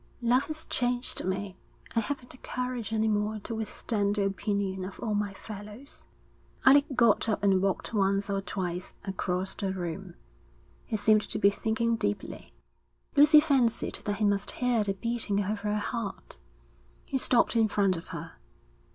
Love has changed me. I haven't the courage any more to withstand the opinion of all my fellows.' Alec got up and walked once or twice across the room. He seemed to be thinking deeply. Lucy fancied that he must hear the beating of her heart. He stopped in front of her.